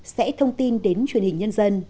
sẽ thông tin đến truyền hình